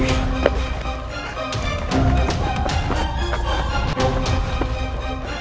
gue tersin worries yek apa gadis pahlawan n admit ke lange bracket sekateq ini